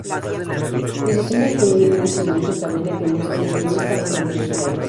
El sistema dispone de un instrumento en cabina que muestra al maquinista ambas velocidades.